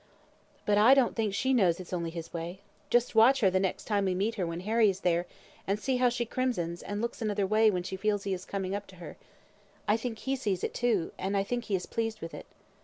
"But I don't think she knows it's only his way. Just watch her the next time we meet her when Harry is there, and see how she crimsons, and looks another way when she feels he is coming up to her. I think he sees it, too, and I think he is pleased with it."